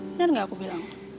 bener gak aku bilang